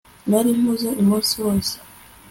nari mpuze umunsi wose